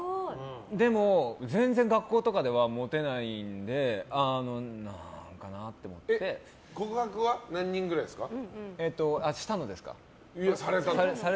でも全然学校とかではモテないので告白は何人くらいですか？